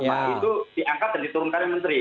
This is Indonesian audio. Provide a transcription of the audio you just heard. itu diangkat dan diturunkan menteri